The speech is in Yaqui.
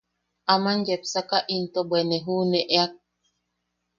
Aman yepsaka into bwe ne juʼuneak.